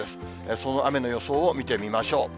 その雨の予想を見てみましょう。